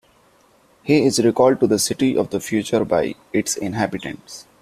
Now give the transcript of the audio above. He is recalled to the City of the future by its inhabitants.